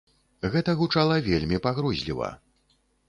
Гэта гучала вельмі пагрозліва.